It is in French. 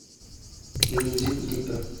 Ne nous écoutez pas.